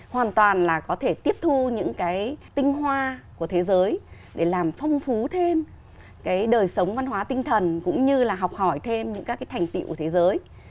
hoàn toàn là có thể tiếp thu những cái tinh hoa của thế giới để làm phong phú thêm cái đời sống văn hóa tinh thần cũng như là học hỏi thêm những các cái thành tiệu của thế giới